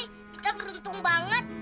kita beruntung banget